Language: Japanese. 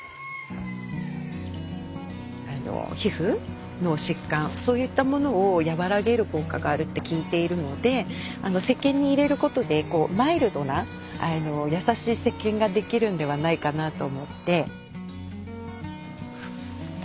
皮膚の疾患そういったものを和らげる効果があると聞いているのでせっけんに入れることでマイルドな優しいせっけんが出来るんではないかなと思って。